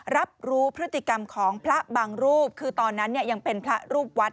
รับรู้พฤติกรรมของพระบางรูปคือตอนนั้นเนี่ยยังเป็นพระรูปวัด